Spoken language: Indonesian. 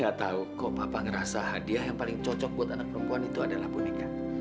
atau kau papa ngerasa hadiah yang paling cocok buat anak perempuan itu adalah boneka